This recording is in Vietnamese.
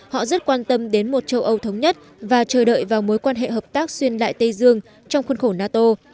họ rất quan tâm đến một châu âu thống nhất và chờ đợi vào mối quan hệ hợp tác xuyên đại tây dương trong khuôn khổ nato